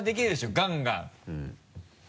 ガンガン。